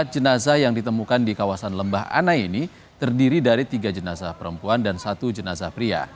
empat jenazah yang ditemukan di kawasan lembah anai ini terdiri dari tiga jenazah perempuan dan satu jenazah pria